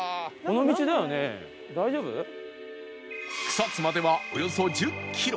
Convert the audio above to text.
草津まではおよそ１０キロ